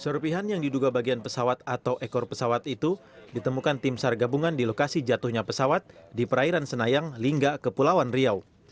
serpihan yang diduga bagian pesawat atau ekor pesawat itu ditemukan tim sar gabungan di lokasi jatuhnya pesawat di perairan senayang lingga kepulauan riau